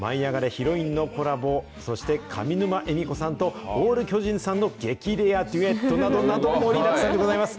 ヒロインのコラボ、そして上沼恵美子さんとオール巨人さんの激レアデュエットなどなど、盛りだくさんでございます。